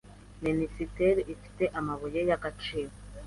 Minisiteri ifite amabuye y agaciro